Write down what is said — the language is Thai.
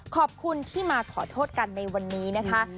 ขอบคุณที่มาขอโทษกันในวันนี้นะคะ